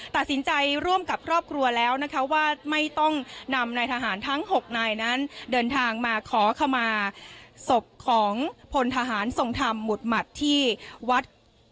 ตัดสินใจร่วมกับครอบครัวแล้วนะคะว่าไม่ต้องนำนายทหารทั้ง๖นายนั้นเดินทางมาขอขมาศพของพลทหารทรงธรรมหมุดหมัดที่วัด